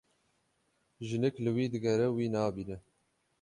Jinik li wî digere wî nabîne.